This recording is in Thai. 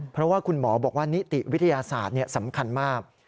เพราะว่าคุณหมอบอกว่านิติวิทยาศาสตร์สำคัญมาก